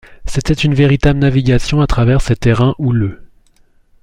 C’était une véritable navigation à travers ces terrains houleux.